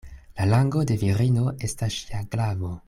La lango de virino estas ŝia glavo.